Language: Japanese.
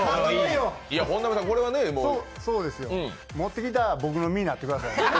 持ってきた僕の身になってください。